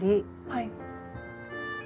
はい。